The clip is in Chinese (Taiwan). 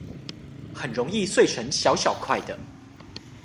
很容易碎成小小塊的